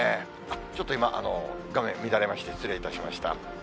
ちょっと今、画面乱れまして、失礼いたしました。